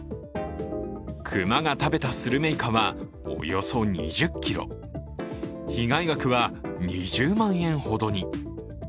熊が食べたスルメイカはおよそ２０ｋｇ、被害額は２０万円ほどに。